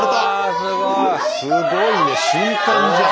すごいね瞬間じゃん！